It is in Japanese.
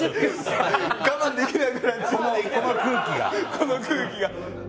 この空気が。